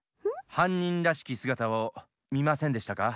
はんにんらしきすがたをみませんでしたか？